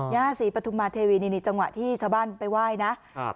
ย่าศรีปฐุมมาเทวีนี่นี่จังหวะที่ชาวบ้านไปไหว้นะครับ